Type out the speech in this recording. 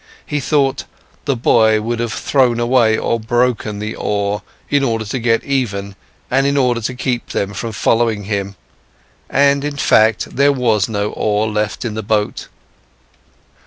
He thought, the boy would have thrown away or broken the oar in order to get even and in order to keep them from following him. And in fact, there was no oar left in the boat.